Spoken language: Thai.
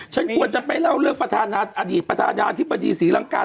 ฉันควรจะไปเล่าเรื่องประธานาธิบดีศรีรังกาศ